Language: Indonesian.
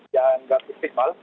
yang tidak optimal